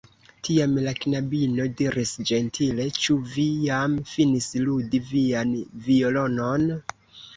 Tiam la knabino diris ĝentile: "Ĉu vi jam finis ludi vian violonon?"